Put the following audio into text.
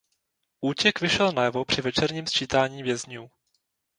Útěk vyšel najevo při večerním sčítání vězňů.